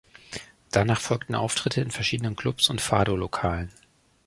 Danach folgten Auftritte in verschiedenen Klubs und Fado-Lokalen.